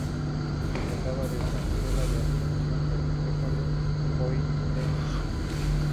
Se trataba de una escuela de aplicación de la École polytechnique.